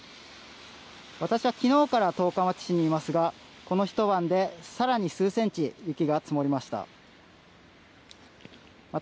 私はきのうから十日町市にいますが、この一晩でさらに数センチ、雪が積もりました。